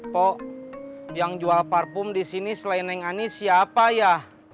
poh yang jual parfum disini selain yang ani siapa ya